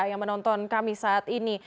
yang menonton kami saat ini